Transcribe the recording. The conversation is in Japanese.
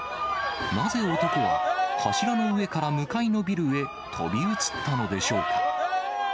なぜ男は、柱の上から向かいのビルへ飛び移ったのでしょうか。